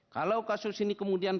kalau kasus ini kemudian